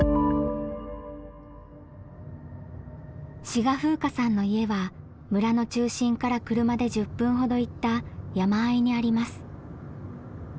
志賀風夏さんの家は村の中心から車で１０分ほど行った山あいにあります。